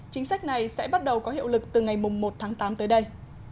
chính sách này sẽ bắt đầu có hiệu lực từ ngày một tháng tám tới đây